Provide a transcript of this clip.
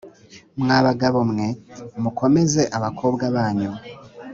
mwa bagabo mwe mukomeze abakobwa banyu